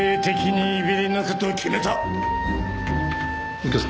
右京さん